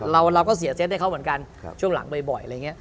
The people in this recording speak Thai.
เราก็เสียเซตให้เขาเหมือนกันช่วงหลังบ่อยอะไรอย่างนี้